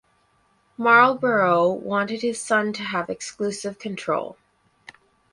Marlborough wanted his son to have exclusive control.